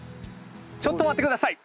ちょっと待って下さい！